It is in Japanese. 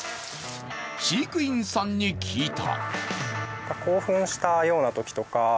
飼育員さんに聞いた。